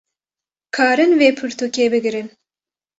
karin vê pirtûkê bigrin